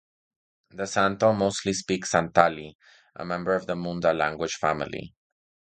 The Santhal mostly speak Santali, a member of the Munda language family.